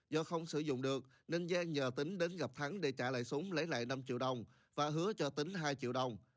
do không sử dụng được nên giang nhờ tính đến gặp thắng để trả lại súng lấy lại năm triệu đồng và hứa cho tính hai triệu đồng